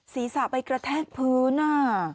ศีรษะไปกระแทกพื้น